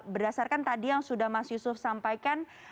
berdasarkan tadi yang sudah mas yusuf sampaikan